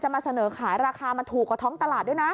มาเสนอขายราคามันถูกกว่าท้องตลาดด้วยนะ